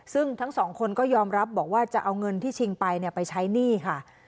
ซึ่งทั้งสองคนก็ยอมรับบอกว่าจะเอาเงินที่ชิงไปไปใช้หนี้ค่ะ